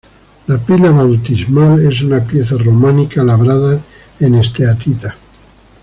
La pila bautismal es una pieza románica labrada en esteatita.